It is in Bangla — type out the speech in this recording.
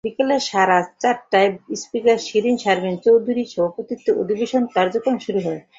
বিকেল সাড়ে চারটায় স্পিকার শিরীন শারমিন চৌধুরীর সভাপতিত্বে অধিবেশনের কার্যক্রম শুরু হয়।